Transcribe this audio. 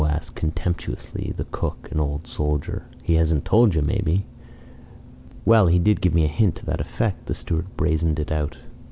asked, contemptuously, the cook, an old soldier. "He hasn't told you, maybe?" "Well, he did give me a hint to that effect," the steward brazened it out.